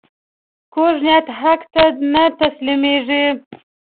کوږ نیت حق ته نه تسلیمېږي